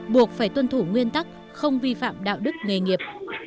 buộc phải tuân thủ nguyên tắc không vi phạm đạo đức nghề nghiệp